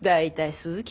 鈴木。